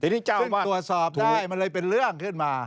ซึ่งตรวจสอบได้มันเลยเป็นเรื่องขึ้นมา